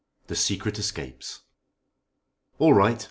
THE SECRET ESCAPES. "All right.